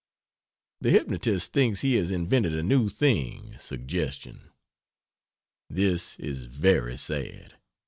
The hypnotist thinks he has invented a new thing suggestion. This is very sad.